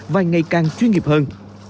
và ngày càng chuyên nghiệp hơn